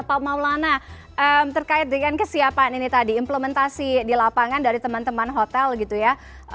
pak maulana terkait dengan kesiapan ini tadi implementasi di lapangan dari teman teman hotel gitu ya